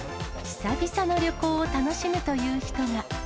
久々の旅行を楽しむという人が。